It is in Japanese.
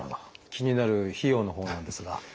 気になる費用のほうなんですが。